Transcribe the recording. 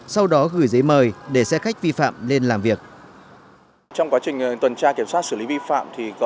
sau đó gửi giấy mời để xe khách vi phạm lên làm việc